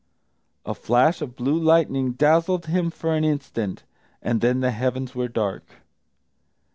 A flash of blue lightning dazzled him for an instant, and then the heavens were dark.